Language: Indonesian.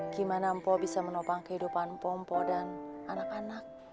gimana mpok bisa menopang kehidupan mpok dan anak anak